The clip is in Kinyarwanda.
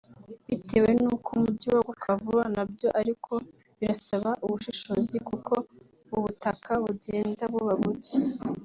Bitewe n’uko umujyi waguka vuba (nabyo ariko birasaba ubushishozi kuko ubutaka bugenda buba bucye)